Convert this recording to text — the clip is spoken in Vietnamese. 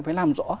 phải làm rõ